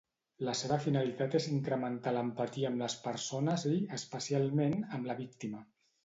La seva finalitat és incrementar l'empatia amb les persones i, especialment, amb la víctima.